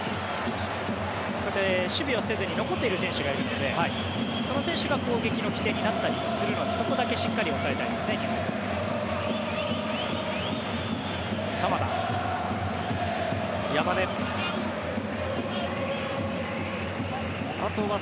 こうやって守備をせずに残っている選手がいるのでその選手が攻撃の基点になったりするのでそこだけしっかり抑えたいですね、日本は。